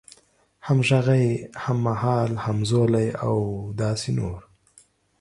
همغږی، هممهال، همزولی او داسې نور